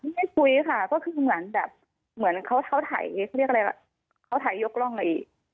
ไม่ได้คุยค่ะก็คือเหมือนเขาถ่ายยกร่องเลย